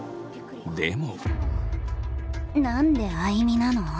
でも。